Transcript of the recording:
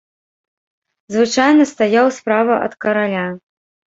Звычайна стаяў справа ад караля.